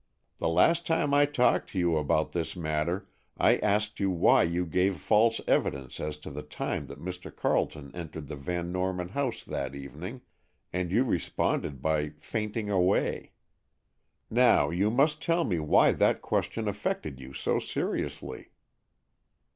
The last time I talked to you about this matter I asked you why you gave false evidence as to the time that Mr. Carleton entered the Van Norman house that evening, and you responded by fainting away. Now you must tell me why that question affected you so seriously."